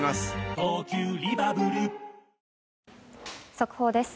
速報です。